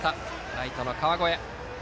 ライトの川越。